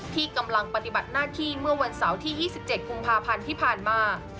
ที่กำลังปฏิบัติหน้าที่เมื่อวันเสาร์ที่๒๗กุมภาพันธ์ที่ผ่านมา